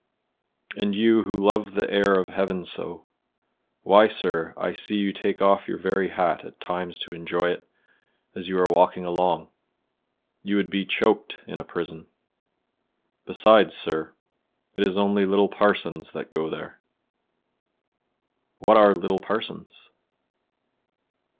"And you, who love the air of heaven so; why, sir, I see you take off your very hat at times to enjoy it as you are walking along; you would be choked in a prison. Besides, sir, it is only little parsons that go there." "What are little parsons?"